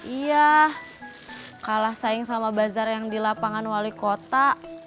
iya kalah saing sama bazar yang di lapangan wali kota